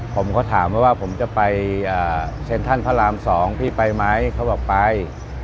ผมก็ถามเขาว่าผมจะไปเซ็นทรัลพระราม๒พี่ไปไหมเขาบอกไป